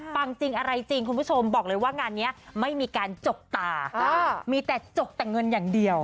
จริงอะไรจริงคุณผู้ชมบอกเลยว่างานนี้ไม่มีการจกตามีแต่จกแต่เงินอย่างเดียว